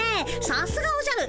さすがおじゃる。